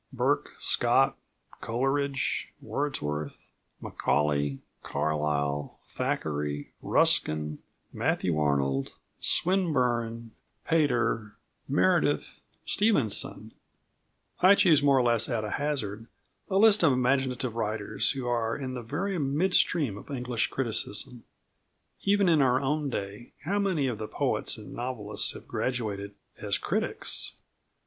Burke, Scott, Coleridge, Wordsworth, Macaulay, Carlyle, Thackeray, Ruskin, Matthew Arnold, Swinburne, Pater, Meredith, Stevenson I choose more or less at a hazard a list of imaginative writers who are in the very mid stream of English criticism. Even in our own day, how many of the poets and novelists have graduated as critics!